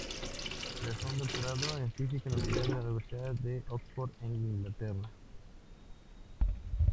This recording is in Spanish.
Realizó un doctorado en Física Nuclear en la Universidad de Oxford en Inglaterra.